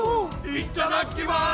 いっただっきます！